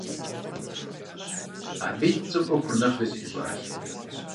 Абы и пцӏым ӏуэхур нэхъри зэӏищӏащ.